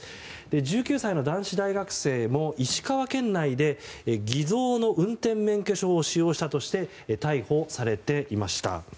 １９歳の男子大学生も石川県内で偽造の運転免許証を使用したとして逮捕されていました。